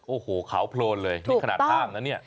โอ้โหขาวโพลนเลยนี่ขนาดห้ามนะเนี่ย